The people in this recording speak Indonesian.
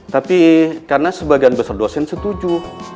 tapi karena sebagian besar dosen setuju